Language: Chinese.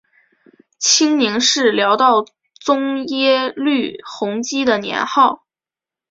清宁是辽道宗耶律洪基的年号。